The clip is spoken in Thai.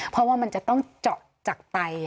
เพราะว่ามันจะต้องเจาะจากไต